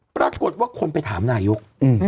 ปรากฏว่าคนไปถามนายก